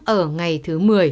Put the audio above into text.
ở ngày thứ một mươi